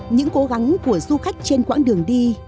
những cố gắng của du khách trên quãng đường đi